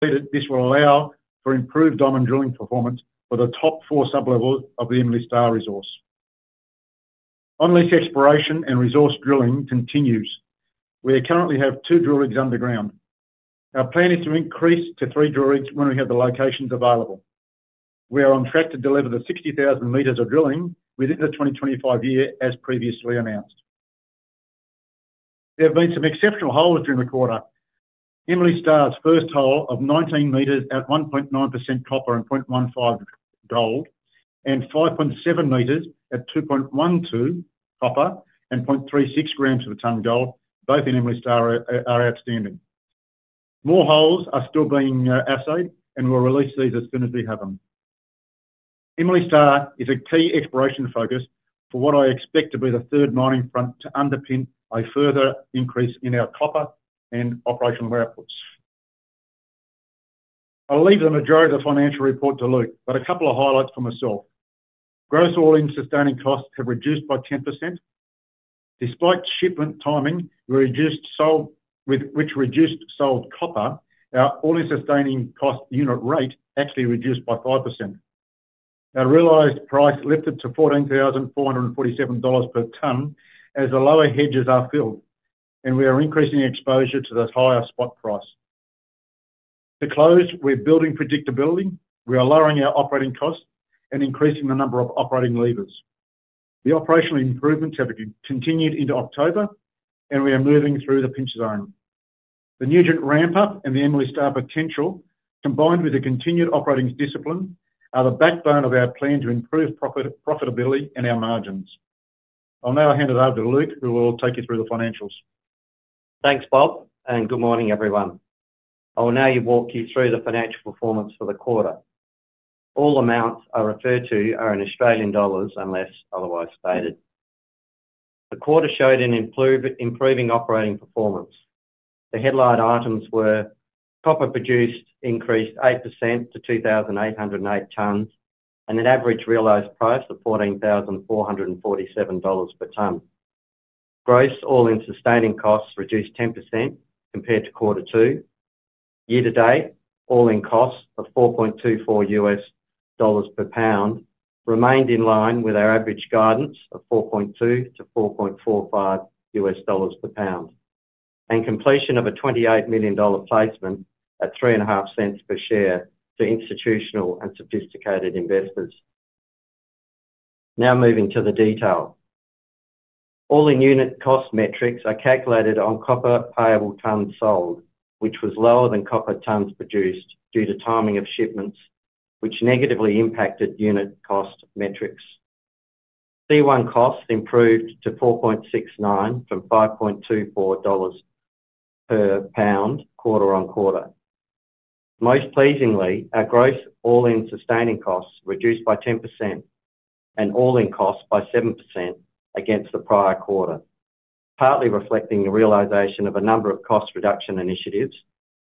This will allow for improved diamond drilling performance for the top four sub-levels of the Emily Star resource. As exploration and resource drilling continues, we currently have two drill rigs underground. Our plan is to increase to three drill rigs when we have the locations available. We are on track to deliver the 60,000 m of drilling within the 2025 year as previously announced. There have been some exceptional holes during the quarter. Emily Star's first hole of 19 m at 1.9% copper and 0.15 gram per ton gold, and 5.7 m at 2.12% copper and 0.36 g per ton gold, both in Emily Star, are outstanding. More holes are still being assayed and we'll release these as soon as we have them. Emily Star is a key exploration focus for what I expect to be the third mining front to underpin a further increase in our copper and operational outputs. I'll leave the majority of the financial report to Luke, but a couple of highlights for myself. Gross all-in sustaining costs have reduced by 10%. Despite shipment timing which reduced sold copper, our all-in sustaining cost unit rate actually reduced by 5%. Our realized price lifted to $14,447 per ton as the lower hedges are filled, and we are increasing exposure to this higher spot price. To close, we're building predictability. We are lowering our operating costs and increasing the number of operating levers. The operational improvements have continued into October, and we are moving through the pinch zone. The new ramp-up and the Emily Star potential, combined with the continued operating discipline, are the backbone of our plan to improve profitability and our margins. I'll now hand it over to Luke, who will take you through the financials. Thanks, Bob, and good morning, everyone. I will now walk you through the financial performance for the quarter. All amounts I refer to are in Australian dollars unless otherwise stated. The quarter showed an improving operating performance. The headline items were copper produced increased 8% to 2,808 tons and an average realised price of $14,447 per tons. Gross all-in sustaining costs reduced 10% compared to quarter two. Year-to-date all-in costs of $4.24 per pound remained in line with our average guidance of $4.20-$4.45 per pound, and completion of a $28 million placement at $0.035 per share to institutional and sophisticated investors. Now moving to the detail. All-in unit cost metrics are calculated on copper payable tonnes sold, which was lower than copper tonnes produced due to timing of shipments, which negatively impacted unit cost metrics. C1 costs improved to $4.69 from $5.24 per pound quarter on quarter. Most pleasingly, our gross all-in sustaining costs reduced by 10% and all-in costs by 7% against the prior quarter, partly reflecting the realisation of a number of cost reduction initiatives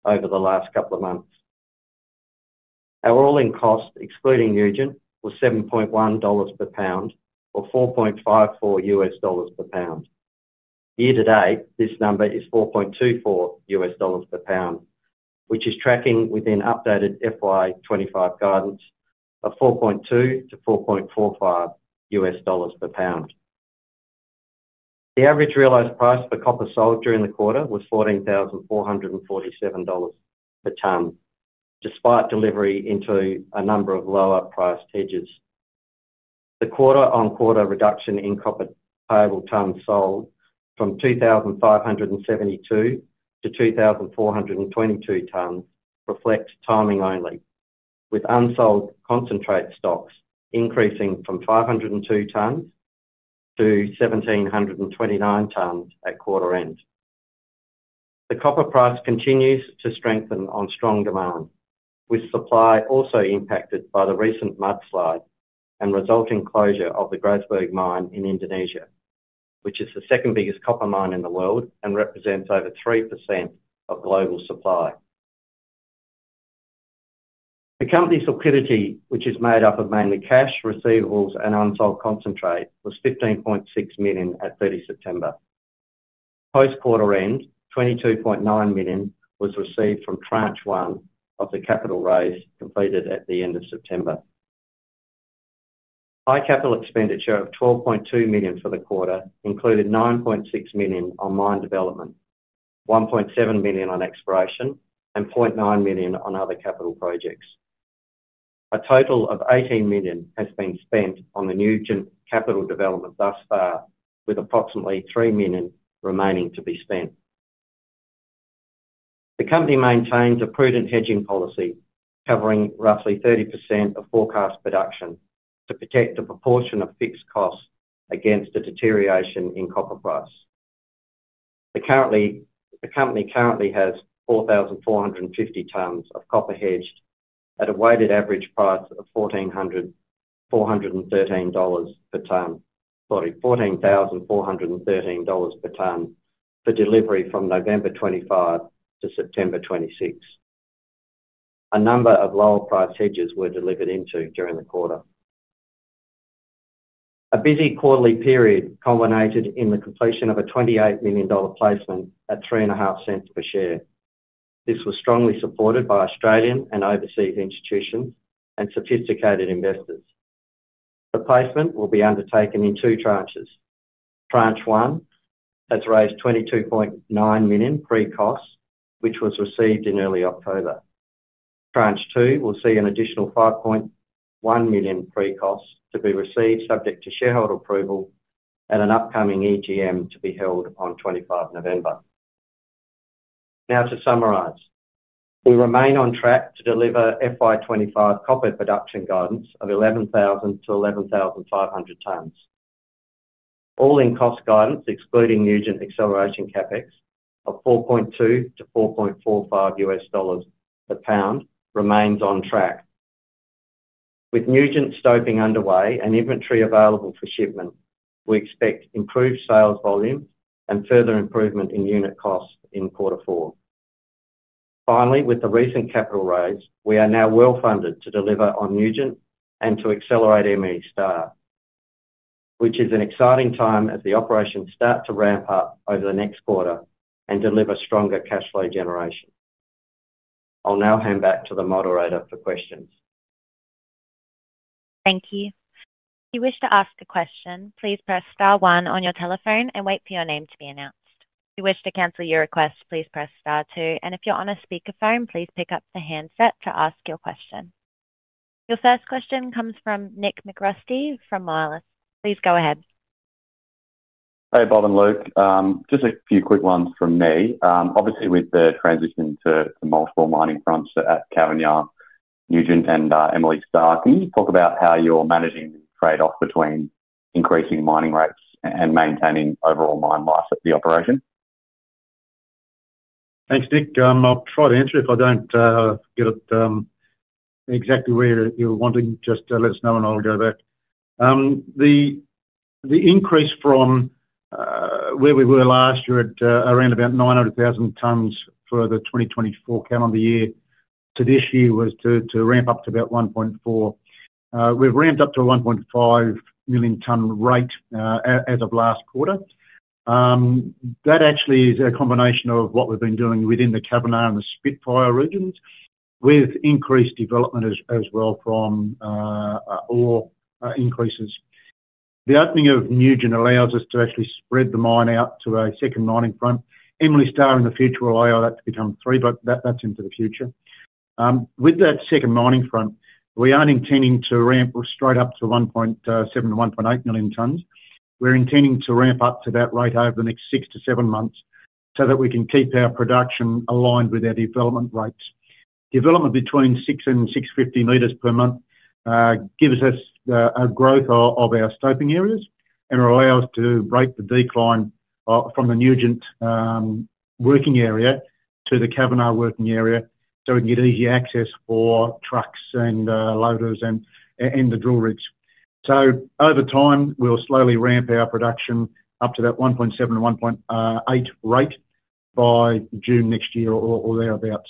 over the last couple of months. Our all-in cost, excluding Nugent, was $7.10 per pound or $4.54 per pound. Year-to-date, this number is $4.24 per pound, which is tracking within updated FY 2025 guidance of $4.20-$4.45 per pound. The average realised price for copper sold during the quarter was $14,447 per tonne, despite delivery into a number of lower priced hedges. The quarter-on-quarter reduction in copper payable tonnes sold from 2,572-2,422 tonnes reflects timing only, with unsold concentrate stocks increasing from 502 tonnes-1,729 tonnes at quarter end. The copper price continues to strengthen on strong demand, with supply also impacted by the recent mudslide and resulting closure of the Grasberg mine in Indonesia, which is the second biggest copper mine in the world and represents over 3% of global supply. The company's liquidity, which is made up of mainly cash, receivables, and unsold concentrate, was $15.6 million at 30 September. Post-quarter end, $22.9 million was received from tranche one of the capital raise completed at the end of September. High capital expenditure of $12.2 million for the quarter included $9.6 million on mine development, $1.7 million on exploration, and $0.9 million on other capital projects. A total of $18 million has been spent on the new capital development thus far, with approximately $3 million remaining to be spent. The company maintains a prudent hedging policy covering roughly 30% of forecast production to protect a proportion of fixed costs against a deterioration in copper price. The company currently has 4,450 tonnes of copper hedged at a weighted average price of $14,413 per tonne for delivery from November 2025 to September 2026. A number of lower price hedges were delivered into during the quarter. A busy quarterly period culminated in the completion of a $28 million placement at $0.035 per share. This was strongly supported by Australian and overseas institutions and sophisticated investors. The placement will be undertaken in two tranches. Tranche one has raised $22.9 million pre-cost, which was received in early October. Tranche two will see an additional $5.1 million pre-cost to be received subject to shareholder approval and an upcoming EGM to be held on November 25. Now to summarize, we remain on track to deliver FY2025 copper production guidance of 11,000-11,500 tonnes. All-in cost guidance, excluding Nugent acceleration CapEx of $4.20-$4.45 per pound, remains on track. With Nugent stoking underway and inventory available for shipment, we expect improved sales volume and further improvement in unit costs in quarter four. Finally, with the recent capital raise, we are now well-funded to deliver on Nugent and to accelerate Emily Star, which is an exciting time as the operations start to ramp up over the next quarter and deliver stronger cash flow generation. I'll now hand back to the moderator for questions. Thank you. If you wish to ask a question, please press star one on your telephone and wait for your name to be announced. If you wish to cancel your request, please press star two, and if you're on a speaker phone, please pick up the handset to ask your question. Your first question comes from Nick McRusty from Marlis. Please go ahead. Hey, Bob and Luke. Just a few quick ones from me. Obviously, with the transition to multiple mining fronts at Cavernia, Nugent, and Emily Star, can you talk about how you're managing the trade-off between increasing mining rates and maintaining overall mine life at the operation? Thanks, Nick. I'll try to answer it. If I don't get it exactly where you're wanting, just let us know and I'll go back. The increase from where we were last year at around about 900,000 tonnes for the 2024 calendar year to this year was to ramp up to about 1.4 tonne. We've ramped up to a 1.5 million tonne rate as of last quarter. That actually is a combination of what we've been doing within the Cavernia and the Spitfire regions with increased development as well from ore increases. The opening of Nugent allows us to actually spread the mine out to a second mining front. Emily Star in the future will allow that to become three, but that's into the future. With that second mining front, we aren't intending to ramp straight up to 1.7-1.8 million tonnes. We're intending to ramp up to that rate over the next six to seven months so that we can keep our production aligned with our development rates. Development between 600 m and 650 m per month gives us a growth of our stoking areas and allows us to break the decline from the Nugent working area to the Cavernia working area so we can get easy access for trucks and loaders and the drill rigs. Over time, we'll slowly ramp our production up to that 1.7-1.8 rate by June next year or thereabouts.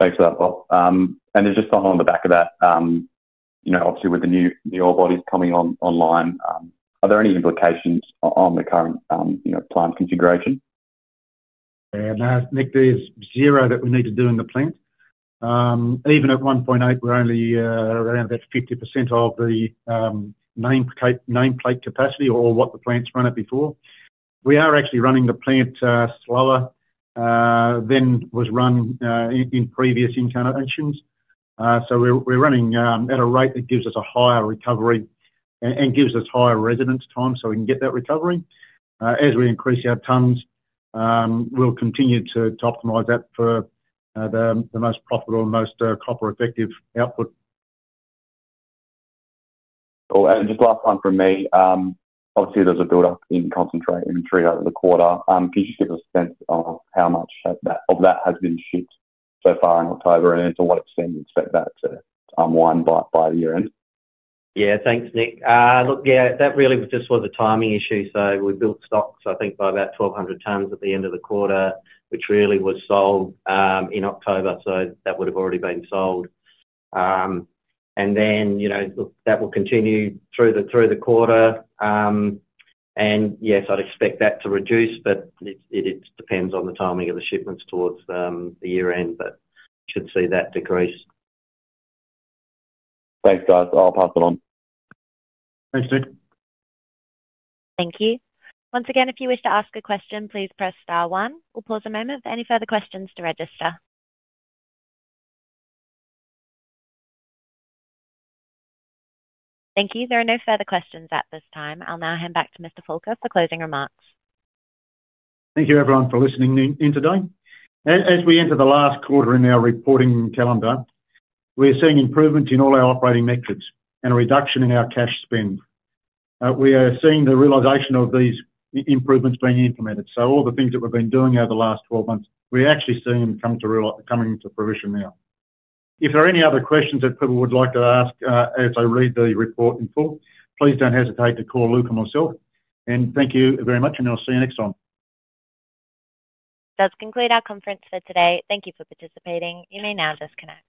Thanks for that, Bob. Just to hone on the back of that, you know, obviously with the new ore bodies coming online, are there any implications on the current plant configuration? Nick, there's zero that we need to do in the plant. Even at 1.8, we're only around about 50% of the nameplate capacity or what the plant's run at before. We're actually running the plant slower than was run in previous incarnations. We're running at a rate that gives us a higher recovery and gives us higher residence time so we can get that recovery. As we increase our tonnes, we'll continue to optimise that for the most profitable and most copper-effective output. Cool. Just the last one from me. Obviously, there's a build-up in copper concentrate and treat over the quarter. Could you give us a sense of how much of that has been shipped so far in October, and then to what extent you expect that to unwind by the year end? Yeah, thanks, Nick. Look, that really just was a timing issue. We built stocks, I think, by about 1,200 tonnes at the end of the quarter, which really was sold in October. That would have already been sold. That will continue through the quarter. Yes, I'd expect that to reduce, but it depends on the timing of the shipments towards the year end, but we should see that decrease. Thanks, guys. I'll pass it on. Thanks, Nick. Thank you. Once again, if you wish to ask a question, please press star one. We'll pause a moment for any further questions to register. Thank you. There are no further questions at this time. I'll now hand back to Mr. Fulker for closing remarks. Thank you, everyone, for listening in today. As we enter the last quarter in our reporting calendar, we're seeing improvements in all our operating metrics and a reduction in our cash spend. We are seeing the realisation of these improvements being implemented. All the things that we've been doing over the last 12 months, we're actually seeing them come to fruition now. If there are any other questions that people would like to ask as they read the report in full, please don't hesitate to call Luke or myself. Thank you very much, and I'll see you next time. That’s concluded our conference for today. Thank you for participating. You may now disconnect.